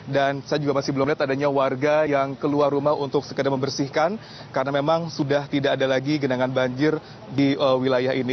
dan saya juga masih belum lihat adanya warga yang keluar rumah untuk sekedar membersihkan karena memang sudah tidak ada lagi genangan banjir di wilayah ini